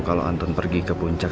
kalau anton pergi ke puncak